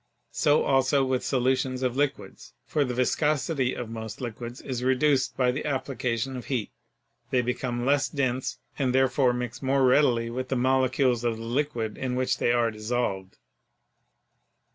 So also with solutions of liquids, for the viscosity of most liquids is reduced by the application of heat, they become less dense, and therefore mix more readily with the molecules of the liquid in which they are dissolved.